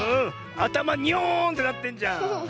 あたまニョーンってなってんじゃん。